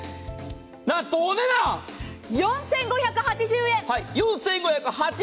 なんと、お値段４５８０円！